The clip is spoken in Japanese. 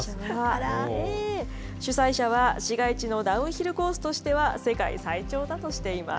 主催者は市街地のダウンヒルコースとしては世界最長だとしています。